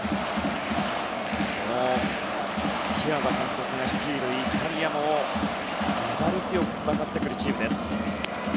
そのピアザ監督が率いるイタリアも粘り強く戦ってくるチームです。